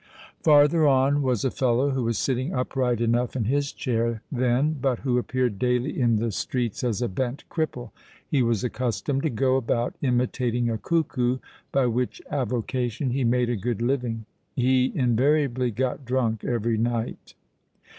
Farther on was a fellow who was sitting upright enough in his chair then, but who appeared daily in the streets as a bent cripple. He was accustomed to go about imitating a cuckoo, by which avocation he made a good living. He invariably got drunk every night.